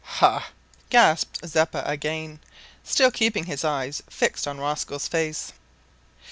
"Hah!" gasped Zeppa again, still keeping his eyes fixed on Rosco's face.